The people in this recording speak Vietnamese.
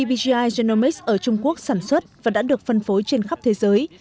bgi genomics ở trung quốc sản xuất và đã được phân phối trên khắp thế giới